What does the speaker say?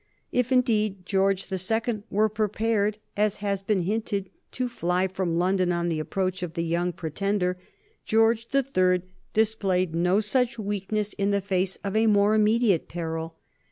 If indeed George the Second were prepared, as has been hinted, to fly from London on the approach of the young Pretender, George the Third displayed no such weakness in the face of a more immediate peril.